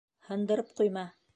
Һындырып ҡуйма.